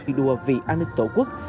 đi đua vì an ninh tổ quốc